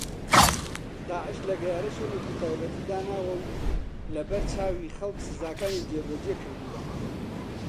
داعش لە گەیارە شوێنێکی تایبەتی داناوە و لەبەرچاوی خەڵک سزاکانی جێبەجێ کردووە